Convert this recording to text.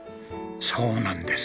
そうなんです。